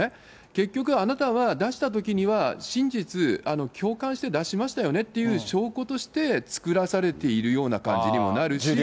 結局、あなたは出したときには真実、共感して出しましたよねっていう証拠として、作らされているような感じにもなるし。